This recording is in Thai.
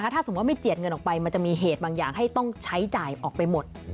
ถ้าสมมุติไม่เจียดเงินออกไปมันจะมีเหตุบางอย่างให้ต้องใช้จ่ายออกไปหมด